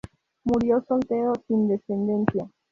Murió soltero sin descendencia.